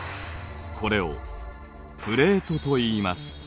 これをプレートといいます。